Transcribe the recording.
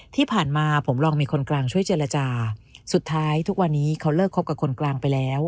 ที่ผ่านมาผมลองมีคนกลางช่วยเจรจาสุดท้ายทุกวันนี้เขาเลิกคบกับคนกลางไปแล้ว